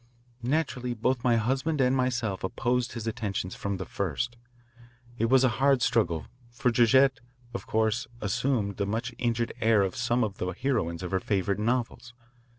"Naturally both my husband and myself opposed his attentions from the first. It was a hard struggle, for Georgette, of course, assumed the much injured air of some of the heroines of her favourite novels.